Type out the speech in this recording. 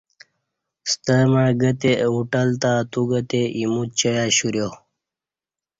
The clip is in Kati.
ستمع گہ تے اہ ہوٹل تہ اتوگہ تے ایمو چای اشوریا